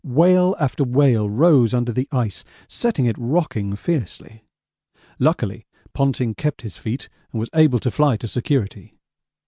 Whale after whale rose under the ice, setting it rocking fiercely; luckily Ponting kept his feet and was able to fly to security.